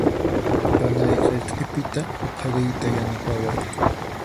Panay kay q'ipita huqariyta yanapaway.